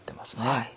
はい。